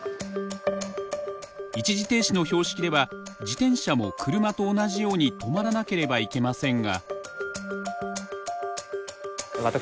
一時停止の標識では自転車も車と同じように止まらなければいけませんが。